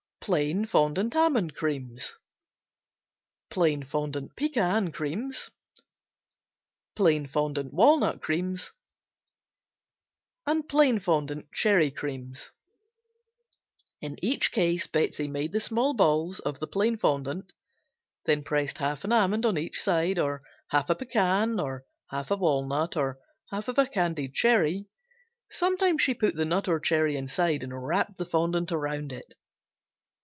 Plain Fondant Almond Creams Plain Fondant Pecan Creams Plain Fondant Walnut Creams Plain Fondant Cherry Creams In each case Betsey made the small balls of the plain fondant, then pressed half an almond on each side, or half a pecan, or half a walnut or half of a candied cherry. Sometimes she put the nut or cherry inside and wrapped the fondant around it.